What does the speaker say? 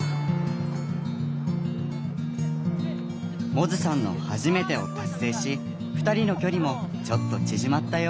百舌さんの初めてを達成し２人の距離もちょっと縮まったよう。